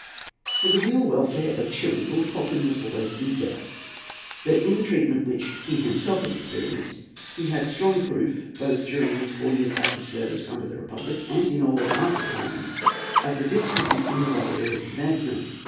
For the real welfare of Chili Lord Cochrane was always eager; but in the treatment which he himself experienced he had strong proof, both during his four years' active service under the republic and in all after times, of the difficulties in the way of its advancement.